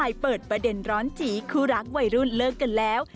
เปิดประเด็นร้อนจีคู่รักวัยรุ่นเลิกกันแล้ว